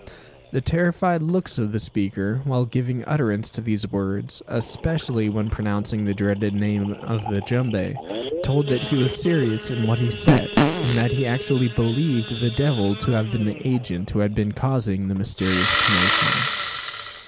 The terrified looks of the speaker, while giving utterance to these words, especially when pronouncing the dreaded name of the jumbe told that he was serious in what he said; and that he actually believed the devil to have been the agent who had been causing the mysterious commotion!